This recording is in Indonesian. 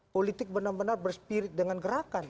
politik benar benar ber spirit dengan gerakan